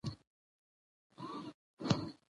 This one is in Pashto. د دروازې په مخکې ولاړ يې.